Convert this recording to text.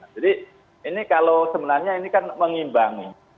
jadi ini kalau sebenarnya ini kan mengimbangi